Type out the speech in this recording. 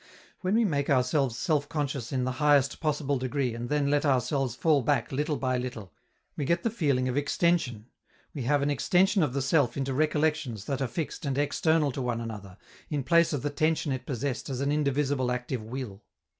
When we make ourselves self conscious in the highest possible degree and then let ourselves fall back little by little, we get the feeling of extension: we have an extension of the self into recollections that are fixed and external to one another, in place of the tension it possessed as an indivisible active will.